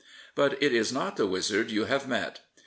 But it is not the wizard you have met.